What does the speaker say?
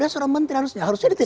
seorang menteri harusnya tidak maju